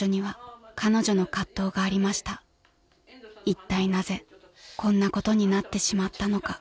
［いったいなぜこんなことになってしまったのか］